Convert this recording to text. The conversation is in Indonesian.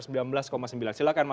silahkan mas abbas jelaskan